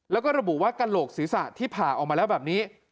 แล้วก็ระบุว่ากระโหลกศีรษะที่ผ่าออกมาแล้วแบบนี้